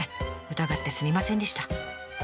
疑ってすみませんでした。